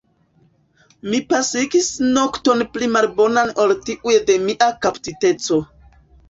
Mi pasigis nokton pli malbonan ol tiuj de mia kaptiteco.